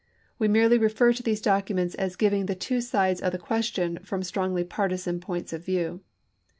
We merely refer to these documents as giving the two sides of the question from strongly partisan points of view.